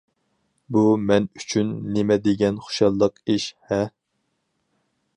بۇ مەن ئۈچۈن نېمە دېگەن خۇشاللىق ئىش ھە؟ !